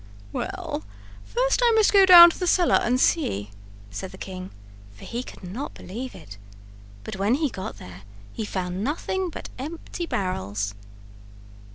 "Well, I must first go down to the cellar and see," said the king, for he could not believe it; but when he got there he found nothing but empty barrels.